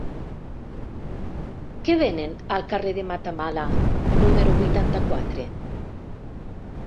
Què venen al carrer de Matamala número vuitanta-quatre?